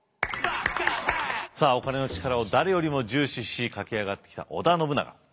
さあお金の力を誰よりも重視し駆け上がってきた織田信長。